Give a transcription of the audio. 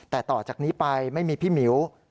แต่ต่อจากนี้ไปไม่มีพี่หมิว